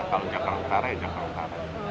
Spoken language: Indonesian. kalau jangka lontar ya jangka lontar